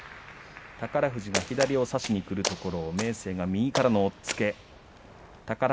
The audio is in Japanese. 宝富士が左を差しにくるところを明生が右からの押っつけ宝